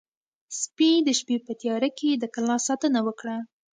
سپي د شپې په تیاره کې د کلا ساتنه وکړه.